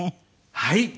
はい。